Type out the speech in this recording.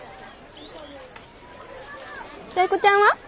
タイ子ちゃんは？